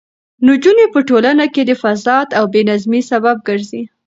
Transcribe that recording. نجونې په ټولنه کې د فساد او بې نظمۍ سبب ګرځي.